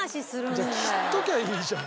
じゃあ切っときゃいいじゃん。